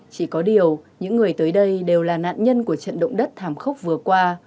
chỉ có điều những người tới đây đều là nạn nhân của trận động đất thảm khốc vừa qua